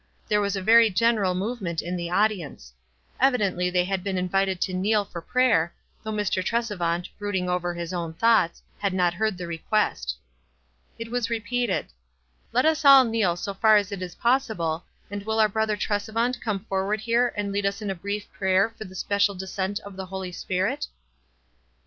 There was a very general movement in the audience. Evidently they had been invited to kneel for prayer, though Mr. Tresevant, brooding over his own thoughts, had not heard the request. It was repeated : "Let us all kneel so far as it is possible, and will our Brother Tresevant come forward here and lead us in a brief prayer for the special descent of the Holy Spirit?"